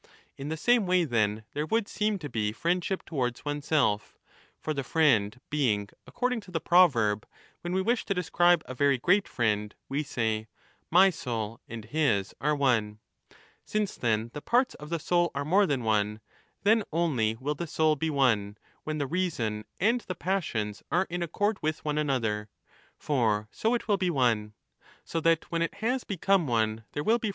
In the same way then 30 lere would seem to be friendship towards oneself. For le friend being, according to the proverb — when we wish to describe a very great friend, we say ' my soul and his ire one '; since then the parts of the soul are more than lone, then only will the soul be one, when the reason and [the passions are in accord with one another (for so it will one) : so that when it has become one there will be 35 16 ^ 3 =^.